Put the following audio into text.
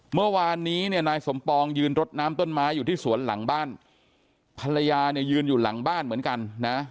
เมื่อวานนี้เนี่ยนายสมปองยืนรดน้ำต้นไม้อยู่ที่สวนหลังบ้านภรรยาเนี่ยยืนอยู่หลังบ้านเหมือนกันนะ